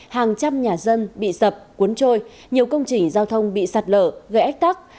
hàng trăm nhà dân bị sập cuốn trôi nhiều công trình giao thông bị sạt lở gây ách tắc